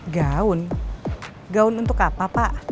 gaun gaun untuk apa pak